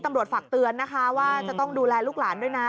ฝากเตือนนะคะว่าจะต้องดูแลลูกหลานด้วยนะ